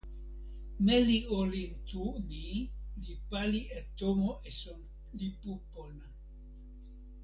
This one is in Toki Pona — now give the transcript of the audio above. meli olin tu ni li pali e tomo esun lipu pona.